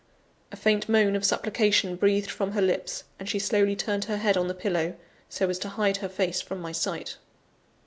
A faint moan of supplication breathed from her lips; and she slowly turned her head on the pillow, so as to hide her face from my sight.